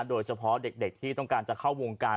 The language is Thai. โดยเฉพาะเด็กที่ต้องการจะเข้าวงการ